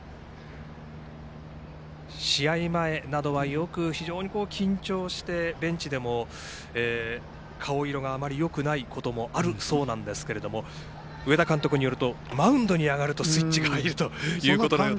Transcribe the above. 試合前などは非常に緊張してベンチでも顔色があまりよくないこともあるそうなんですけれども上田監督によるとマウンドに上がるとスイッチが入るということですね。